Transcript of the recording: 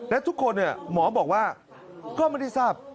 และทุกคนหมอบอกว่าก็ไม่ได้ทราบ